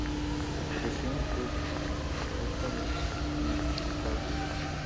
Creció en Thurn, cerca de Zwickau.